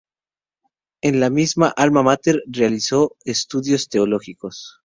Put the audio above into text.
En la misma "Alma Mater" realizó sus estudios teológicos.